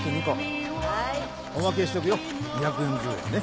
おまけしとくよ２４０円ね。